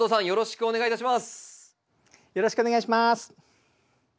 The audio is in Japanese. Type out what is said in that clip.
よろしくお願いします。